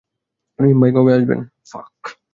রহিম ভাই কবে আসবেন?